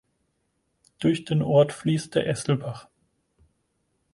Durch den Ort fließt der Esselbach.